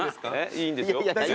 いいんですよ。